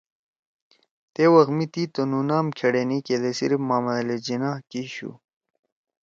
تے وخ می تی تُنُو نام کھیڑینی کیدے صرف محمد علی جناح کی شُو